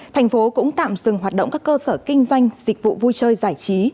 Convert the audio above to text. tp hcm cũng tạm dừng hoạt động các cơ sở kinh doanh dịch vụ vui chơi giải trí